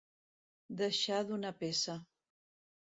Deixar d'una peça.